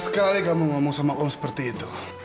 sekali kamu ngomong sama om seperti itu